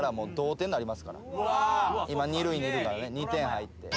今二塁にいるからね２点入って。